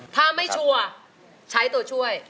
ถ้าไม่ชัวร์ใช้ตัวช่วย